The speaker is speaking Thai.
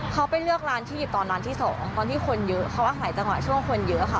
เขาไปเลือกร้านที่ตอนร้านที่สองตอนที่คนเยอะเขาอาศัยจังหวะช่วงคนเยอะค่ะ